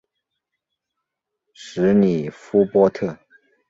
什里夫波特。